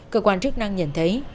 cơ quan chức năng nhận thấy